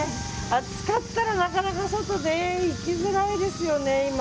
暑かったらなかなか外行きづらいですよね、今。